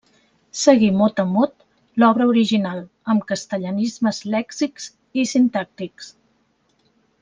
Seguí mot a mot l'obra original, amb castellanismes lèxics i sintàctics.